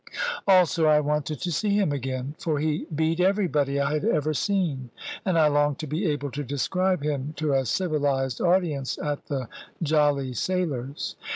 Also, I wanted to see him again, for he beat everybody I had ever seen; and I longed to be able to describe him to a civilised audience at the "Jolly Sailors."